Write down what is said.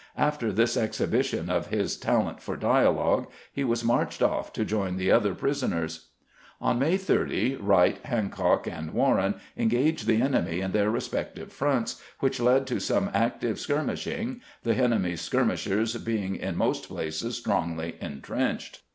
After this exhibition of his talent for dialogue, he was marched off to join the other prisoners. On May 30, Wright, Hancock, and Warren engaged the enemy in their respective fronts, which led to some active skirmishing, the enemy's skirmishers being in most places strongly intrenched.